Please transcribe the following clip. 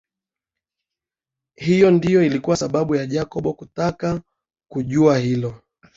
Hiyo ndiyo ilikuwa sababu ya Jacob kutaka kujua hilo